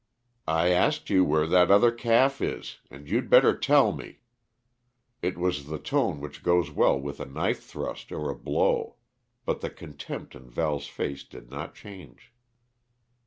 "I asked you where that other calf is and you'd better tell me!" It was the tone which goes well with a knife thrust or a blow. But the contempt in Val's face did not change.